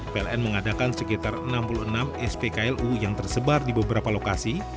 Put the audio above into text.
pln mengadakan sekitar enam puluh enam spklu yang tersebar di beberapa lokasi